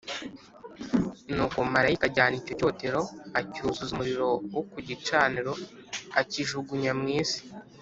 Nuko marayika ajyana icyo cyotero acyuzuza umuriro wo ku gicaniro akijugunya mu isi,